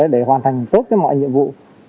để hoàn thành tốt mọi nhiệm vụ